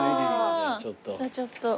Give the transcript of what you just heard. じゃあちょっと。